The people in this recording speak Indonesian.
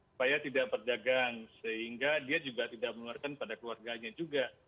supaya tidak berdagang sehingga dia juga tidak menularkan pada keluarganya juga